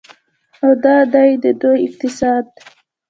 او دا دی د دوی اقتصاد.